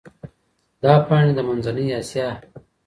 دا پاڼي د منځنۍ اسیا